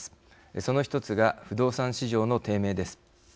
その１つが不動産市場の低迷です。